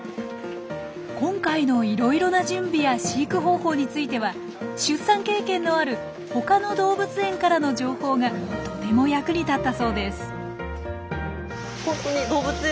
今回のいろいろな準備や飼育方法については出産経験のある他の動物園からの情報がとても役に立ったそうです。